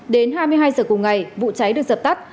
đến hai mươi hai giờ cùng ngày vụ cháy được dập tắt